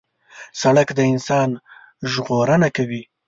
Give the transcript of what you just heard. سړک د انسان ژغورنه کوي.